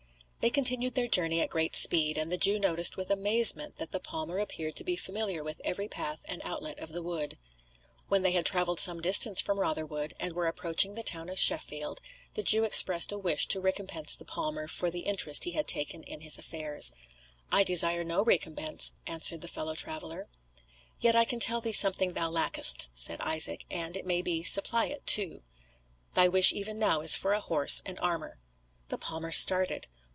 They continued their journey at great speed; and the Jew noticed with amazement that the palmer appeared to be familiar with every path and outlet of the wood. When they had travelled some distance from Rotherwood, and were approaching the town of Sheffield, the Jew expressed a wish to recompense the palmer for the interest he had taken in his affairs. "I desire no recompense," answered his fellow traveller. "Yet I can tell thee something thou lackest," said Isaac, "and, it may be, supply it too. Thy wish even now is for a horse and armour." The palmer started.